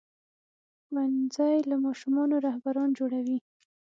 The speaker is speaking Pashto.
ښوونځی له ماشومانو رهبران جوړوي.